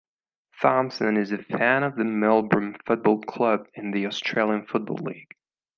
Thompson is a fan of the Melbourne Football Club in the Australian Football League.